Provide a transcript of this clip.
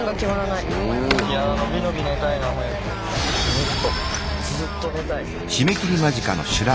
ずっとずっと寝たい。